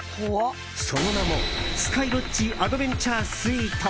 その名も、スカイロッジ・アドベンチャー・スイート。